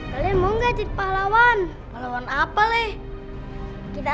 kalian mau ngajin pahlawan pahlawan apa leh kita